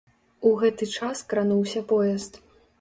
У гэты час крануўся поезд.